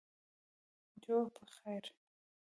جوړ پخیر